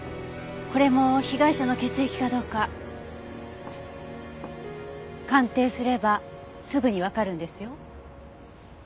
これも被害者の血液かどうか鑑定すればすぐにわかるんですよ。